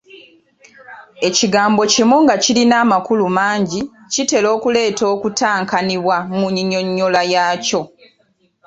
Ekigambo kimu nga kirina amakulu mangi kitera okuleeta okutankanibwa mu nnyinnyonnyola yaakyo.